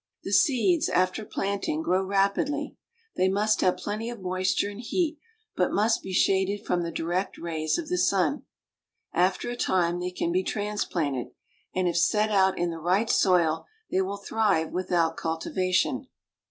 The seeds after planting grow rapidly. They must have plenty of moisture and heat, but must be shaded from the direct rays of the sun. After a time they can be transplanted, and if set out in the right soil they will thrive without cultivation.